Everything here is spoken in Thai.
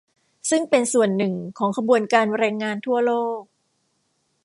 ซึ่งเป็นส่วนหนึ่งของขบวนการแรงงานทั่วโลก